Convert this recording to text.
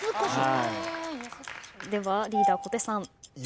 ではリーダー小手さん。